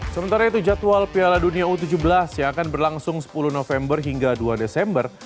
sementara itu jadwal piala dunia u tujuh belas yang akan berlangsung sepuluh november hingga dua desember